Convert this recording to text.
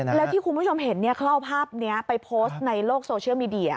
แล้วที่คุณผู้ชมเห็นเขาเอาภาพนี้ไปโพสต์ในโลกโซเชียลมีเดีย